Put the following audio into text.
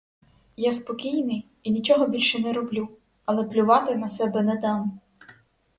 Я спокійний і нічого більше не роблю, але плювати на себе не дам!